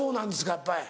やっぱり。